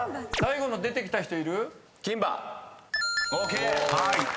最後の出てきた人いる？